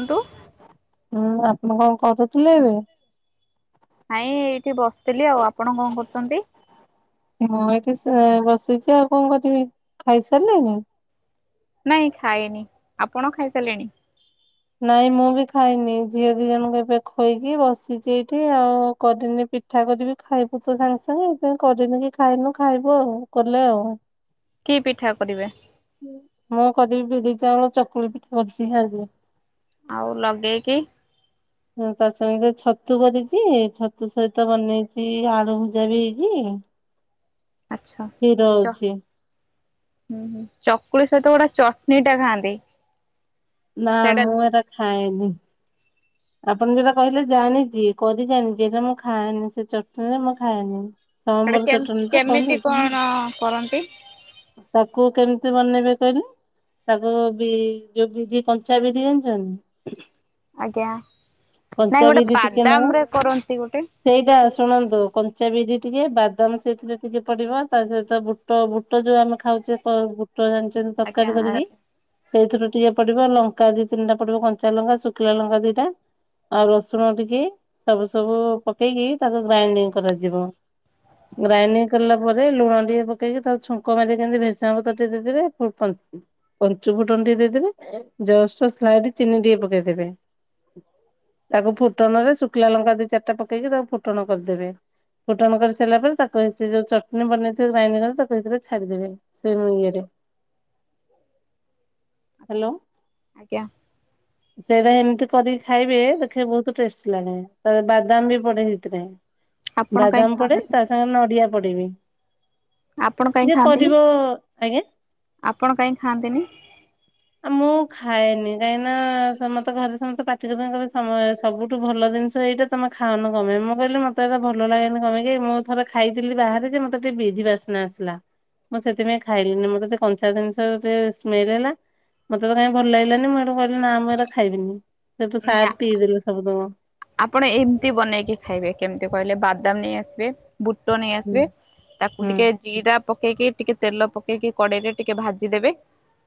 କୁହନ୍ତୁ। ହୁଁ ଆପଣ କଣ କରୁଥିଲେ ଏବେ? ନାଇଁ ଏଇଠି ବସିଥିଲି ଆଉ। ଆପଣ କଣ କରୁଛନ୍ତି? ମୁଁ ଏଇଠି ସେ ବସିଛି ଆଉ କଣ କରିବି। ଖାଇସାରିଲେଣିି? ନାଇଁ ଖାଇନି। ଆପଣ ଖାଇସାରିଲେଣି। ନାଇଁ ମୁଁ ବି ଖାଇନି। ଝିଅ ଦି ଜଣଙ୍କୁ ଏବେ ଖୋଇକି ବସିଛି ଏଇଠି, ଆଉ କରିନି ପିଠା କରିବି ଖାଇବୁ ତ ସାଙ୍ଗେ ସାଙ୍ଗେ। ସେଥିପାଇଁ କରିନି କି ଖାଇନୁ। ଖାଇବୁ ଆଉ କଲେ ଆଉ। କି ପିଠା କରିବେ? ମୁଁ କରିବି ବିରି ଚାଉଳ ଚକୁଳି ପିଠା। [unintelligible] ଆଉ ଲଗେଇକି। ହଁ ତା ସାଙ୍ଗେ ଛତୁ କରିଚି। ଛତୁ ସହିତ ବନେଇଛି ଆଳୁ ଭଜା ବି ହେଇଛି। [inaudible] କ୍ଷୀର ଅଛି। ଉଁ ହୁଁ। ଚକୁଳି ସହିତ ଗୋଟେ ଚଟନୀ ଟେ ଖାଆନ୍ତି। ନା ସେଇଟା ମୁଁ ଏରା ଖାଏନି। ଆପଣ ଯଉଟା କହିଲେ ଜାଣିଛି କରି ଜାଣିଚି। ଏରା ମୁଁ ଖାଇନି ସେ ଚଟଣୀ ରେ ମୁଁ ଖାଏନି। ସେଟା ସଅମ୍ବର କେମ ଚଟଣୀ ତ କେମିତି କହନ୍ତି। କଣ କରନ୍ତି? ତାକୁ କେମିତି ବନେଇବେ? କହିଲେ। ତାକୁ ବି ଯୋଉ ବିରି କଞ୍ଚା ବିରି ଜଣିଛନ୍ତି ଆଜ୍ଞା। ନାଇଁ ଗୋଟେ କଞ୍ଚାବିରି ଟିକେ ବାଦାମ ନବ। ରେ କରନ୍ତି ଗୋଟେ ସେଇଟା ଶୁଣନ୍ତୁ କଞ୍ଚା ବିରି ଟିକେ ବାଦାମ ସେଥିରେ ଟିକେ ପଡିବ। ତା ସହିତ ବୁଟ ବୁ ବୁଟ ଯୋଉ ଆମେ ଖାଉଛେ ବୁଟ ଜାଣିଛନ୍ତି ଆଜ୍ଞା ତରକାରୀ କରିକି। ଆଚ୍ଛା ସେଇଥିରୁ ଟିକେ ପଡିବ ଲଙ୍କା ଦି ତିନିଟା ପଡିବ କଞ୍ଚା ଲଙ୍କା ଶୁଖିଲା ଲଙ୍କା ଦିଟା। ଆଉ ରସୁଣ ଟିକେ। ସବୁ ସବୁ ପକେଇକି ତାକୁ ଗ୍ରାଇଣ୍ଡିଙ୍ଗ କରାଯିବ। ଗ୍ରାଇଣ୍ଡିଙ୍ଗ କଲା ପରେ ଲୁଣ ଟିକେ ପକେଇକି ତାକୁ ଛୁଙ୍କ ମାରିକି ଏମିତି ଭେରସୁଙ୍ଗା ପତ୍ର ଟିକେ ଦେଇଦେବେ। [unintelligible] ପଞ୍ଚୁ ଫୁଟନ ଟିକେ ଦେଇଦେବେ। ଜଷ୍ଟ ସ୍ଲାଇଡି ଚିନି ଟିକେ ପକେଇଦେବେ। ତାକୁ ଫୁଟଣ ରେ ଶୁଖିଲା ଲଙ୍କା ଦି ଚାରିଟା ପକେଇକି ତାକୁ ଫୁଟଣ କରିଦେବେ। ଫୁଟଣ କରି ସାରିଲା ପରେ ତାକୁ ସେ ଯୋଉ ଚଟଣି ବନେଇଥିବେ ଗ୍ରାଇଣ୍ଡିଙ୍ଗବତାକୁ ଏଇଥିରେ ଛାଡିଦେବେ। ସେ ଯୋଉ ଇଏରେ। [inaudible] ହ୍ୟାଲୋ, ଆଜ୍ଞା ସେଇରା ଏମିତି କରିକି ଖାଇବେ ଦେଖିବେ ବହୁତ ଟେଷ୍ଟି ଲାଗେ। ତା ବାଦାମ ବି ପଡେ ହେଇଥିରେ। ଆପଣ କାହିଁ ବାଦାମ ପଡେ ଖାଆନ୍ତିନି ତା ସାଙ୍ଗେ ନଡିଆ ପଡେ ବିି। ଆପଣ କାହିଁ ଖାଆନ୍ତିନି? ଆଜ୍ଞା ଆପଣ କାହିଁ ଖାଆନ୍ତିନି? ଆଉ ମୁଁ ଖାଏନି କାହିଁକି ନା ସମସ୍ତେ ଘରେ ସମସ୍ତେ ପା [unintelligible] ସମୟ ସବୁଠୁ ଭଲ ଜିନିଷ ଏଇଟା ତମେ ଖାଉନ କଣ ପାଇଁ। ମୁଁ କହିଲେ ମତେ ଏରା ଭଲ ଲାଗେନି କଣ ପାଇଁ କି ମୁଁ ଥରେ ଖାଇଥିଲି ବାହାରେ ଯେ ମତେ ଟିକେ ବିରି ବାସ୍ନା ଆସିଲା। ମୁଁ ସେଥିପାଇଁ ଖାଇଲିିନି ମୋତେ ଟିକେ କଞ୍ଚା ଜିନିଷ ଟିକେ ସ୍ମେଲ ହେଲା। ମତେ ତ କାଇଁ ଭଲ ଲାଗିଲାନି। ମୁଁ ଏଇଠୁ କହିଲ ନା ମୁଁ ଏରା ଖାଇବିନି। ସେଠୁ ସାର୍ ନାଁ, ପିଇଦେଲେ ସବୁତକ। ଆପଣ ଏମିତି ବନେଇକି ଖାଇବେ। କେମିତି କହିଲେ ବା ବାଦାମ ନେଇ ଆସିବେ, ବୁଟ ନେଇ ହୁଁ ଆସିବେ ତାକୁ ହୁଁ ଟିକେ ଜିରା ପକେଇକି ଟିକେ ତେଲ ପକେଇକି କଡେଇରେ ଟିକେ ଭାଜିଦେବେ।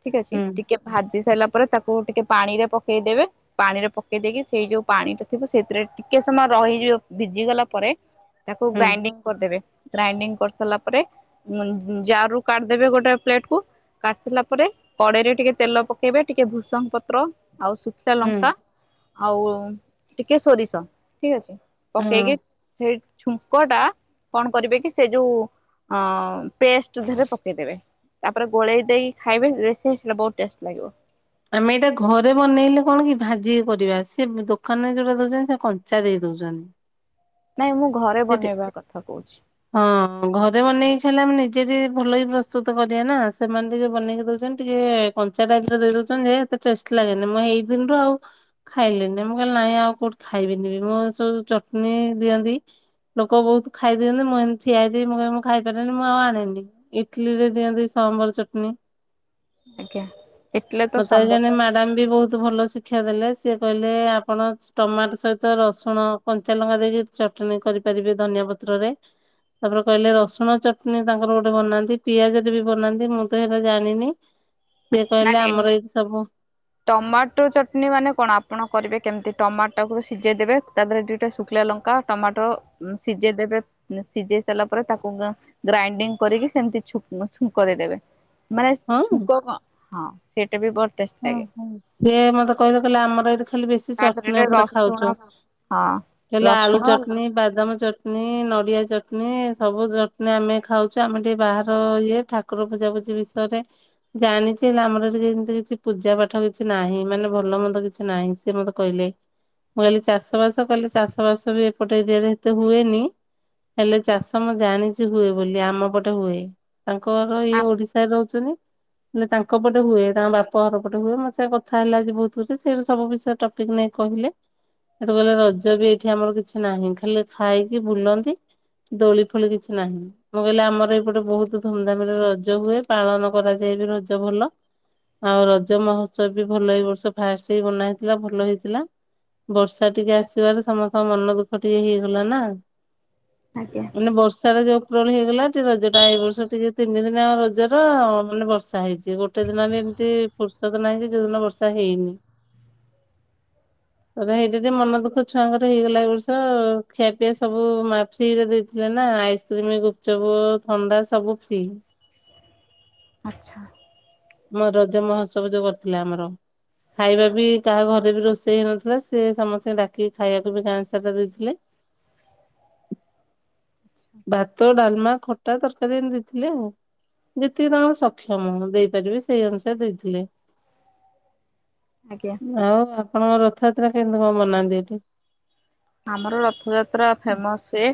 ଠିକ ଅଛି, ହୁଁ ଟିକେ ଭା ଜି ସାରିଲା ପରେ ତାକୁ ଟିକେ ପାଣି ରେ ପକେଇଦେବେ। ପାଣିରେ ପକେଇ ଦେଇକି ସେଇ ଯୋଉ ପାଣି ଟା ଥିବ ସେଥିରେ ଟିକେ ସମୟ ରହିଯିବ ଭିଜି ଗଲା ପରେ ତାକୁ ହୁଁ ଗ୍ରାଇଣ୍ଡିଙ୍ଗ କରିଦେବେ। ଗ୍ରାଇଣ୍ଡିଙ୍ଗ କରିସାରିଲା ପରେ ଜାର ରୁ କାଢିଦେବେ ଗୋଟେ ପ୍ଲେଟକୁ କାଢ଼ି ସାରିଲା ପରେ କଡେଇରେ ଟିକେ ତେଲ ପକେଇବେ ଟିକେ ଭୂସଙ୍ଗ ପତ୍ର ଆଉ ଶୁଖିଲା ହୁଁ। ଲ ଆଉ ଟିକେ ସୋରିଷ ଠିକ ଅଛି। ପକେଇକି ହଁ। ସେଇ ଛୁଙ୍କ ଟା କଣ କରିବେ କି ସେ ଯୋଉ ଅ ପେଷ୍ଟରେ ଦେହରେ ପକେଇଦବେ। ତାପରେ ଗୋଳେଇ ଦେଇକି ଖାଇବେ [unintelligible] ବହୁତ ଟେଷ୍ଟ ଲାଗିବ। ଆମେ ଏଇଟା ଘରେ ବନେଇଲେ କଣ କି ଭାଜିକି କରିବା ସେ ଦୋକାନରେ ଯୋଉଟା ଦୋଉଚନ୍ତି ସେ କଞ୍ଚା ଦେଇ ଦୋଉଚନ୍। ନାଇଁ ମୁଁ ଘରେ ବନେଇବା କଥା କୋଉଚି। ରେ ବନେଇକି ଖାଇଲେ ଆମେ ନିଜେ ଦି ଭଲକି ପ୍ରସ୍ତୁତ କରିବା ନାଁ ସେମାନେ ଟିକେ ବନେଇକି ଦୋଉଚନ୍ତି ଟିକେ କଞ୍ଚାଟା ଟାଇପ୍ ର ଦେଇ ଦୋଉଚନ୍ତି ଯେ ହେତେ ଟେଷ୍ ଲାଗେନି ମୁଁ ହେଇ ଦିନଠୁ ଆଉ ଖାଇଲିିନି ମୁଁ କହିଲି ନାଇଁ ଆଉ କୋଉଠି ଖାଇବି ଇନି ମୁଁ ସବୁ ଚଟନୀ ଦିଅନ୍ତି। ଲୋକ ବୋହୁତ ଖାଇ ଦିଅନ୍ତି ମୁଁ ଏନ୍ ଠିଆ ହେଇଥିବି ମୁଁ କହି ମୁଁ ଖାଇପାରେନି ମୁଁ ଆଉ ଆଣେନି ଇଟଲିରେ ଦିଅନ୍ତି ସା ଅମର ଚଟନୀ ଆଜ୍ଞା ଇଟିଲି ତ ମତେ ଆଉ ସମ୍ବର ଜଣେ ମଡ଼ାମ୍ ବି ବୋହୁତ ଭଲ ଶିକ୍ଷା ଦେଲେ ସିଏ କହିଲେ ଆପଣ ଟମାଟ ସହିତ ରସୁଣ କଞ୍ଚାଲଙ୍କା ଦେଇକି ଚଟଣୀ କରି ପା ଯିବେ ଧନିଆ ପତ୍ରରେ। ତାପରେ କହିଲେ ରସୁଣ ଚଟନୀ ତାଙ୍କର ଗୋଟେ ବନାନ୍ତି ପିଆଜରେ ବି ବନାନ୍ତି ମୁଁ ତ ହେରା ଜାଣିନି। ସେ ନାଁ କହିଲେ ନାଁ ଆମର ଏଇଠି ସବୁ ଟମାଟୋ ଚଟନୀ ମାନେ କଣ ଆପଣ କରିବେ କେମିତି ଟମାଟାକୁ ସିଜେଇ ଦେବେ ତା ଧେରେ ଦିଟା ଶୁଖିଲା ଲଙ୍କା ଟମାଟୋ ଉଁ ସିଜେଇ ଦେେବେ ସିଜେ ଇ ସାରିଲା ପରେ ତାକୁ ଗ୍ରାଇଣ୍ଡିଙ୍ଗ କରିକି ସେମିତି ଛୁ ଛୁଙ୍କ ଦେଇଦେବେ ମାନେ ଛୁଙ୍କ ହଁ ସେ ଓ ହୋ ସିଏ ମତେ କହିଲେ କହିଲେ ଆମର ଏଠି ଖାଲି ବେଶୀ ତା ଦେହରେ ଚଟନୀ ଟିକେ ଓପରେ ରସୁଣ ଖାଉଚୁ। ହଁ ହେଲେ ଆଳୁ ରସୁଣ ଆଜ୍ଞା ଚଟନୀ ବାଦାମ ଚଟ୍ ନୀ ନଡ଼ିଆ ଚଟନୀ ସବୁ ଚଟନୀ ଆମେ ଖାଉଚୁ ଆମେ ଟିକେ ବାହାର ଇଏ ଠାକୁର ପୂଜା ପୂ ଜି ବିଷୟରେ ଜାଣିଚି ହେଲେ ଆମର ଏଠି ଯେନ୍ତି କିଛି ପୂଜା ପାଠ କିଛି ନାହିଁ ମାନେ ଭଲ ମନ୍ଦ କିଛି ନାହିଁ ସିଏ ମତେ କହିଲେ। ମୁଁ କହିଲିି ଚାଷ ବାସ କଇଲେ ଚାଷ ବାସ ବି ଏପଟ ଏରିଆରେ ହେତେ ହୁଏନି। ହେଲେ ଚାଷ ମୁଁ ଜାଣିଚି ହୁଏ ବୋଲି ଆମ ପଟେ ହୁଏ। ତାଙ୍କର ଇଏ ଓଡ଼ିଶାରେ ରହୁଚନ୍ତି ହେଲେ ତାଙ୍କ ପଟେ ହୁଏ ତାଙ୍କ ବା ପହର ପଟେ ହୁଏ ମୋ ସା କଥା ହେଲେ ଆଜି ବୋହୁତ ଖୁସି ସିଏ ବି ସବୁ ବିଷୟ ଟପିକ୍ ନେଇ କହିଲେ। ହେଠୁ କହିଲେ ରଜ ବି ଏଇଠି ଆମର କିଛି ନାହିଁ ଖାଲି ଖାଇକି ବୁଲନ୍ତି। ଦୋଳି ଫୋଳି କିଛି ନାହିଁ ମୁଁ କହିଲି ଆମର ଏଇପଟେ ବୋହୁତ ଧୁମଧାମ୍ ରେ ରଜ ହୁଏ ପାଳନ କରାଯାଏ। ଏଇଠି ରଜ ଭଲ। ଆଉ ରଜ ମହୋତ୍ସବ ବି ଭଲ ଏଇ ବର୍ଷ ଫାଷ୍ଟେ କି ବନା ହେଇଥିଲା ଭଲ ହେଇଥିଲା। ବର୍ଷା ଟିକେ ଆସିବାରେ ସମସ୍ତଙ୍କ ମନ ଦୁଃଖ ଟିକେ ହେଇଗଲା ନାଁ। ମାନେ ବର୍ଷାର ଯୋଉ ପ୍ରଳି ହେଇଗଲା ଟିକେ ରଜଟା ଏଇ ବର୍ଷ ଟିକେ ତିନି ଦିନ ଯାଙ୍କ ରଜର ମାନେ ବର୍ଷା ହେଇଚି ଗୋଟେ ଦିନ ନି ତି ଫୁର୍ଷତ ନାହିଁ କି ଯୋଉଦିନ ବର୍ଷା ହେଇନି। ତର ହେଇଟା ଟିଏ ମନ ଦୁଃଖ ଛୁଆଙ୍କର ହେଇଗଲା ଏ ବର୍ଷ ଖିଆ ପିଆ ସବୁ ମା ଫ୍ରିରେ ଦେଇଥିଲେ ନା ନାଁ ଆଇସ୍କ୍ରିମ୍ ଗୁପଚୁପ୍ ଥଣ୍ଡା ସବୁ ଫ୍ରି। ଆଚ୍ଛା। ମୋ ରଜ ମହତ୍ସବ ଯୋଉ କରିଥିଲେ ଆମର। ଖାଇବା ବି କାହା ଘରେ ବି ରୋଷେଇ ହେଇନଥିଲା ସିଏ ସମସ୍ତିଙ୍କି ଡାକି ଖାଇବାକୁ ବି ଗାଁ ସାରା ଦେଇଥିଲେ। [inaudible] ଭାତ ଡାଲମା ଖଟା ତରକାରୀ ଏନ୍ତି ଦେଇଥିଲେ ଆଉ। ଯେତିକି ତାଙ୍କ ସକ୍ଷମ ଦେଇପାରିବେ ସେଇ ଅନୁସାରେ ଦେଇଥିଲେ। ଆଜ୍ଞା ଆଉ ଆପଣଙ୍କ ରଥଯାତ୍ରା କେନ୍ତି କଁ ମନାନ୍ତି ଏଇଠି? ଆମର ରଥଯାତ୍ରା ଫେମସ ହୁଏ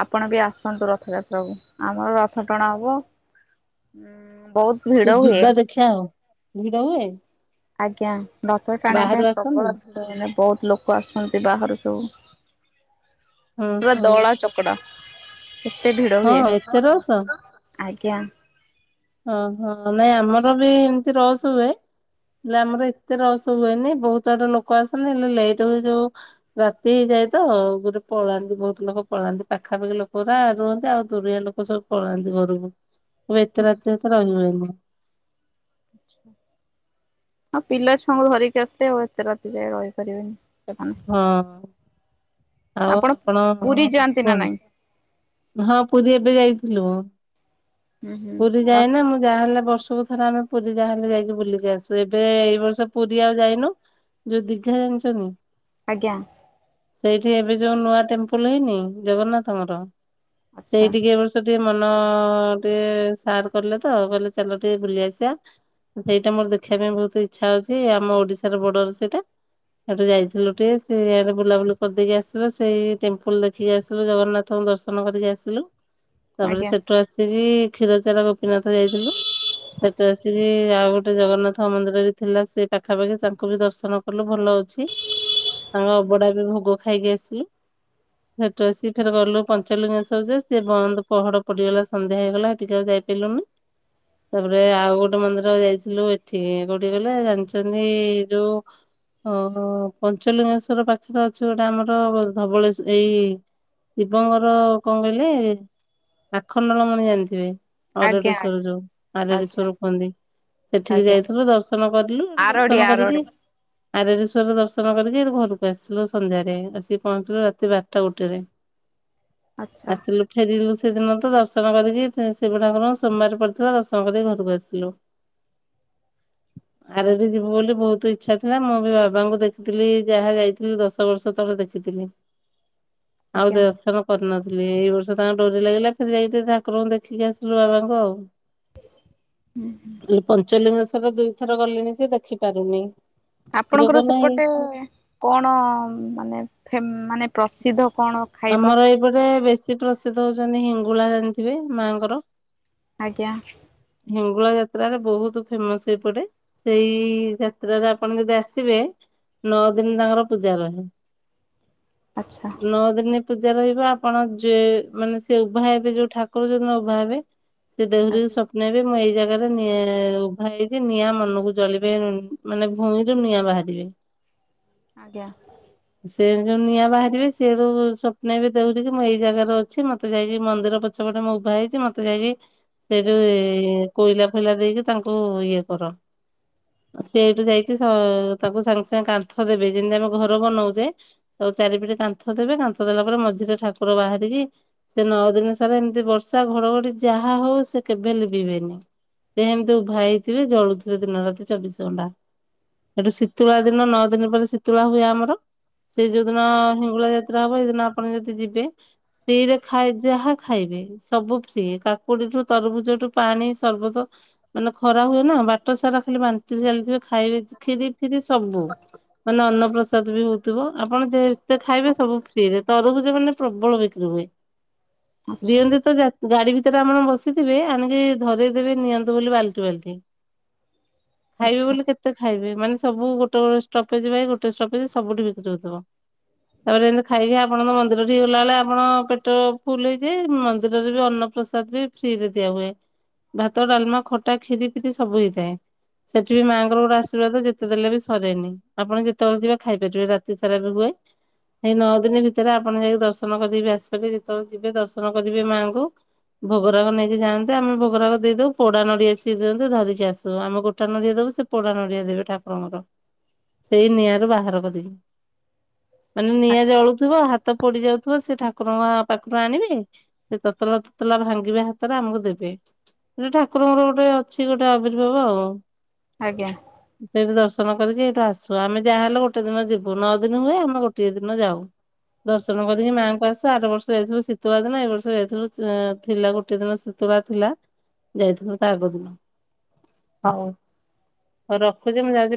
ଆପଣ ବି ଆସନ୍ତୁ ରଥଯାତ୍ରାକୁ ଆମର ରଥ ଟଣା ହବ ଉଁ ବହୁତ ଭିଡ଼ ହୁଏ। ଭିଡ଼ ହୁଏ? ଆଜ୍ଞା ରଥ ଟାଣିବା ବାହାରୁ ପାଇଁ ଆସନ୍ତି। ପ୍ରବଳ ଭିଡ଼ ହେନେ ବହୁତ ଲୋକ ଆସନ୍ତି ବାହାରୁ ସବୁ। ହୁଁ ପୁରା ହୁଁ ଦଳା ଚକଡ଼ା। କେତେ ଭିଡ଼ ହଁ ହୁଏ? ଏତେ ରସ ଆଜ୍ଞା। ଓହୋ ନାଇଁ ଆମର ବି ଏମତି ରସ୍ ହୁଏ। ହେଲେ ଆମର ଏତେ ରସ୍ ହୁଏନି ବହୁତ ଆଡ଼ୁ ଲୋକ ଆସନ୍ତି ହେଲେ ଲେଟ୍ ହୁଏ ଯୋଉ ରାତି ଏଇଯା ଯାଏ ତ ଗୋଟେ ପଳାନ୍ତି ବହୁତ ଲୋକ ପଳାନ୍ତି ପାଖାପାଖି ଲୋକ ଉରା ରୁହନ୍ତି ଆଉ ଦୂରିଆ ଲୋକ ସବୁ ପଳା ନ୍ତି ଘରକୁ କହିବେ ଏତେ ରାତିରେ। ରହିବାକୁ। ହଁ ପିଲାଛୁଆଙ୍କୁ ଧରିକି ଆସିଲେ ଆଉ ଏତେ ରାତି ଯାଇ ରହିପାରିବେନି। ସେମାନେ। ହଁ। ଆଉ ଆପଣ ପୁରୀ ଯାଆନ୍ତି ନା ନାଇଁ? କୁହନ୍ତୁ ହଁ ପୁରୀ ଏ ଏବେ ଯାଇଥିଲୁ ହୁଁ ହୁଁ ପୁରୀ ର ଯାଏନା ମୁଁ ଯାହାହେଲେ ବର୍ଷ କୁ ଥ ଥରେ ଆମେ ପୁରୀ ଯାହା ହେଲେ ଯାଇକି ବୁଲିକି ଆସୁ ଏବେ ଏଇ ବର୍ଷ ପୁରୀ ଆଉ ଯାଇନୁ। ଯୋଉ ଦୀଘା ଜାଣିଛନ୍ତି। ଆଜ୍ଞା। ସେଇଠି ଏବେ ଯୋଉ ନୂଆ ଟେମ୍ପଲ ହେଇନି ଜଗନ୍ନାଥଙ୍କର ଆଚ୍ଛା ସେଇଠିକି ଏ ବର୍ଷ ଟିକେ ମନ ଟିକେ ସାର କଲେ ତ କହିଲେ ଚାଲ ଟିକେ ବୁଲି ଆସିବା। ସେଇଟା ମୋର ଦେଖିବା ପାଇଁ ବହୁତ ଇଚ୍ଛା ହଉଛି ଆମ ଓଡିଶାର ବର୍ଡର ସେଇଟା। ସେଠୁ ଯାଇଥିଲୁ ଟିକେ ସେ ଆଡେ ବୁଲାବୁଲି କରିଦେଇକି ଆସିଲୁ ସେଇ ଟେମ୍ପଲ ଦେଖିକି ଆସିଲୁ ଜଗନ୍ନାଥଙ୍କୁ ଦର୍ଶନ କରିକି ଆସିଲୁ। ତାପରେ ଆଜ୍ଞା ସେଠୁ ଆସିକି କ୍ଷୀରଚୋରା ଗୋପୀନାଥ ଯାଇଥିଲୁ। ସେଠି ଆସିକି ଆଉ ଗୋଟେ ଜଗନ୍ନାଥ ମନ୍ଦିର ବି ଥିଲା ସେ ପାଖାପାଖି ତାଙ୍କୁ ବି ଦର୍ଶନ କଲୁ। ଭଲ ଅଛି ଆଉ ଅଭଡା ବି ଭୋଗ ଖାଇକି ଆସିଲୁ। ସେଠୁ ଆସି ଫେରେ ଗଲୁ ପଞ୍ଚଲିଙ୍ଗେଶ୍ୱର ଯେ ସିଏ ବନ୍ଦ ପହଡ ପଡିଗଲା ସନ୍ଧ୍ୟା ହେଇଗଲା ହେଠିକି ଆଉ ଯା ପିଲୁନି। ତାପରେ ଆଉ ଗୋଟେ ମନ୍ଦିର ଯାଇଥିଲୁ ଏଠି କୋଉଠି କହିଲେ ଜାଣିଛନ୍ତି ଯୋଉ। ଓ ପଞ୍ଚଲିଙ୍ଗେଶ୍ଵର ପାଖରେ ଅ ଛି ଗୋଟେ ଆମର ଧବଳେଶ୍ଵର ଏଇ ଶିବଙ୍କର କଣ କହିଲେ? ଆଖଣ୍ଡଳ ମଣି ଜାଣିଥିବେ ଆଜ୍ଞା ଅରେଡେଶ୍ଵର ଯୋଉ ଆଜ୍ଞା। ଆରେଡେଶ୍ଵର କୁହନ୍ତି। ସେଠିକି ଆଜ୍ଞା ଯାଇଥିଲୁ ଦର୍ଶନ କରିଲୁ ସେଠୁ ଆରଡି ଦର୍ଶନ କରିକି। ଆରଡି ଆରେଡେଶ୍ଵରରେ ଦର୍ଶନ କରିକି ଘରକୁ ଆସିଲୁ। ସନ୍ଧ୍ୟାରେ ଆସିକି ପହଞ୍ଚିଲୁ ରାତି ବାରଟା ଗୋଟେରେ ଆଚ୍ଛା ଆସିଲୁ ଫେରିଲୁ। ସେଦିନ ତ ଦର୍ଶନ କରିକି ଶିବ ଠାକୁରଙ୍କର ସୋମବାର ପଡିଥିବା ଦର୍ଶନ କରିକି ଘରକୁ ଆସିଲୁ। ଆରଡି ଯିବୁ ବୋଲି ବହୁତ ଇଚ୍ଛା ଥିଲା ମୁଁ ବି ବାବାଙ୍କୁ ଦେଖିଥିଲି ଯାହା ଯାଇଥିଲି ଦଶ ବର୍ଷ ତଳେ ଦେଖିଥିଲି ଆଉ ଆଜ୍ଞା। ଦର୍ଶନ କରିନ ଥିଲି ଏଇ ବର୍ଷ ତାଙ୍କ ଡୋରି ଲାଗିଲା ଫେରେ ଯାଇକି ଟିକେ ଠାକୁରଙ୍କୁ ଦେଖିକି ଆସିଲୁ ବାବାଙ୍କୁ ଆଉ। ପଞ୍ଚଲିଙ୍ଗେଶ୍ୱର ଦୁଇଥର ଗଲିଣି ଯେ ଦେଖି ପାରୁନି। ଯୋଗ ଆପଣଙ୍କର ନାହିଁ। ସେପଟେ କଣ ମାନେ ଫ ମାନେ ପ୍ରସିଦ୍ଧ କଣ ଖାଇବା? ଆମର ଏଇପଟେ ବେଶୀ ପ୍ରସିଦ୍ଧ ହଉଛନ୍ତି ହିଙ୍ଗୁଳା ଜାଣିଥିବେ ମାଆଙ୍କର। ଆଜ୍ଞା। ହିଙ୍ଗୁଳା ଯାତ୍ରାରେ ବହୁତ ଫେମସ ଏଇପଟେ ସେଇ ଯାତ୍ରାରେ ଆପଣ ଯଦି ଆସିବେ। ନଅ ଦିନ ତାଙ୍କର ପୂଜା ରହେ। ଆଚ୍ଛା। ନଅ ଦିନ ପୂଜା ରହିବ ଆପଣ ଯେ ମାନେ ସେ ଉଭା ହେବେ ଯୋଉ ଠାକୁର ଜଉଦିନ ଉଭା ହେବେ। ସେ ଦେହରୁ ଆଜ୍ଞା। ସ୍ୱପ୍ନ ହେବେ ମୁଁ ଏଇଯା ନିଁ ଉଭା ହେଇଛି ନିଆଁ ମନକୁ ଜଳିବେ ମାନେ ଭୂଇଁ ରୁ ନିଆଁ ବାହାରିବେ। ଆଜ୍ଞା। ସେ ଯେଉଁ ନିଆଁ ବାହାରିବେ ସେଠୁ ସ୍ୱପ୍ନଇବେ ଦେଉଠିକି ମୁଁ ଏଇ ଜାଗାରେ ଅଛି ମୋତେ ଯାଇକି ମନ୍ଦିର ପଛପଟେ। ମୁଁ ଉଭା ହେଇଛି ମତେ ଯାଇକି ସେଇଠି କୋଇଲା ଫୋଇଲା ଦେଇକି ତାଙ୍କୁ ଇଏ କର। ସେଇଠୁ ଯାଇକି ତାକୁ ସାଙ୍ଗେ ସାଙ୍ଗେ କାନ୍ଥ ଦେବେ ଯେମିତି ଆମେ ଘର ବନଉ। ତ ଚାରିପିଟେ କାନ୍ଥ ଦେବେ କାନ୍ଥ ଦେଲା ପରେ ମଝିରେ ଠାକୁର ବାହାରିକି ସେ ନଅ ଦିନ ସାରା। ଏମିତି ବର୍ଷା ଘଡଘଡି ଯାହା ହଉ ସେ କେବେ ଲିଭିବେନି। ସେ ଏମିତି ଉଭା ହେଇଥିବେ ଜଳୁଥିବେ ଦିନ ରାତି ଚବିଶ ଘଣ୍ଟା। ସେଠୁ ଶୀତୁଳା ଦିନ ନଅ ଦିନ ପରେ ଶୀତୁଳା ହୁଏ ଆମର। ସେ ଯୋଉଦିନ ହିଙ୍ଗୁଳା ଯାତ୍ରା ହବ, ସେଇଦିନ ଆପଣ ଯଦି ଯିବେ ଫ୍ରୀରେ ଖାଇ ଯାହା ଖାଇ ଖାଇବେ ସବୁ ଫ୍ରି କାକୁଡିଠୁ ତରଭୁଜଠୁ ପାଣି ସର୍ବତ ମାନେ ଖ ରା ହୁଏ ନା ବାଟ ସାରା ଖାଲି ବାଣ୍ଟି ଚାଲିଥିବେ, ଖାଇବେ ଖିରି ଫିରି ସବୁ। ମାନେ ଅନ୍ନପ୍ରସାଦ ବି ହଉ ଆପଣ ଯେତେ ଖାଇବେ ସବୁ ଫ୍ରିରେ। ତରଭୁଜ ମାନେ ପ୍ରବଳ ବିକ୍ରି ହୁଏ। ଆଚ୍ଛା ଦିଅନ୍ତି ତ ଯା ଗାଡି ଭିତରେ ଆପଣ ବସିଥିବେ ଆଣିକି ଧରେଇ ଦେବେ, ନିଅନ୍ତୁ ବୋଲି ବାଲ୍ଟି ବାଲ୍ଟି। ଖାଇବେ ଆଚ୍ଛା ବୋଲି କେତେ ଖାଇବେ, ମାନେ ସବୁ ଗୋଟେ ଗୋଟେ ଷ୍ଟପେଜ ବାଇ ଗୋଟେ ଷ୍ଟପେଜ୍ ସବୁଠି ବି କ୍ରି ହଉଥିବ। ତାପରେ ଏମିତି ଖାଇକି ଆପଣଙ୍କ ମନ୍ଦିର ଠିକେ ଗଲା ବେଳେ ଆପଣ ପେଟ ଫୁଲ ହେଇଯାଏ, ମନ୍ଦିରରେ ବି ଅନ୍ନ ପ୍ରସାଦ ବି ଫ୍ରିରେ ଦିଆ ହୁଏ। ଭାତ, ଡାଲମା, ଖଟା, ଖିରି ଫିରି ସବୁ ହେଇଥାଏ। ସେଠି ବି ମାଆଙ୍କର ଗୋଟେ ଆଶୀର୍ବାଦ ଯେତେ ଦେଲେ ବି ସରେନି, ଆପଣ ଯେତେବେଳେ ଯିବେ ଖାଇପାରିବେ। ରାତି ସାରା ବି ହୁଏ। ସେଇ ନଅ ଦିନ ଭିତରେ ଆପଣ ଯାଇକି ଦର୍ଶନ କରି କି ବି ଆସିପାରିବେ, ଯେତେବେଳେ ଯିବେ ଦର୍ଶନ କରିବେ ମାଆଙ୍କୁ। ଭୋଗରାକ ନେଇକି ଯାନ୍ତେ ଆମେ ଭୋଗରାକ ଦେଇଦଉ, ପୋଡା ନଡିଆ ସିଏ ଦିଅନ୍ତି ଧରିକି ଆସୁ। ଆମେ ଗୋଟା ନଡିଆ ଦଉ ସେ ପୋଡା ନଡିଆ ଦେବେ, ଠାକୁରଙ୍କର ସେଇ ନିଆଁରୁ ବାହାର କରିକି। ମାନେ ନିଆଁ ଜଳୁଥିବ ହାତ ପୋଡି ଯାଉଥିବ ସେ ଠାକୁରଙ୍କ ପାଖରୁ ଆଣିବେ। ସେ ତତଲା ତତଲା ଭାଙ୍ଗିବେ ହାତରେ ଆମକୁ ଦେବେ। ଏମିତି ଠାକୁରଙ୍କର ଗୋଟେ ଅଛି ଗୋଟେ ଆର୍ବିଭାବ ଆଉ। ଆଜ୍ଞା। ସେଇଠି ଦର୍ଶନ କରିକି ସେଇଠୁ ଆସୁ, ଆମେ ଯାହାହେଲେ ଗୋଟେ ଦିନ ଯିବୁ। ନ ଦିନ ହୁଏ ଆମେ ଗୋଟିଏ ଦିନ ଯାଉ। ଦର୍ଶନ କରିକି ମାଆଙ୍କୁ ଆସୁ। ଆର ବର୍ଷ ଯାଇଥିଲୁ ଶୀତବାର ଦିନ ଏଇ ବର୍ଷ ଯାଇଥିଲୁ ଥିଲା ଗୋଟେ ଦିନ ଥିଲା ଯାଇଥିଲୁ ତା ଆଗ ଦିନ। ହଉ ରଖୁଛି, ମୁଁ ଯାଉଛି